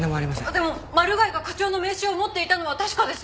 でもマル害が課長の名刺を持っていたのは確かです。